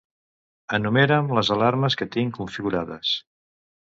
Enumera'm les alarmes que tinc configurades.